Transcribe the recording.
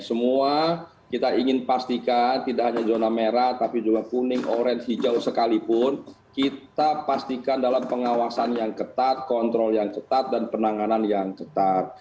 semua kita ingin pastikan tidak hanya zona merah tapi juga kuning orange hijau sekalipun kita pastikan dalam pengawasan yang ketat kontrol yang ketat dan penanganan yang ketat